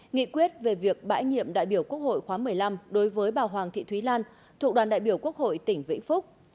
nghị quyết về việc bãi nhiệm đại biểu quốc hội khóa một mươi năm đối với bà hoàng thị thúy lan thuộc đoàn đại biểu quốc hội tỉnh vĩnh phúc